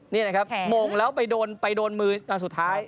นี่นะครับโมงแล้วไปโดนไปโดนมือสุดท้าย